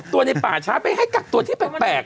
กักตัวในป่าช้าไม่ให้กักตัวที่แปลก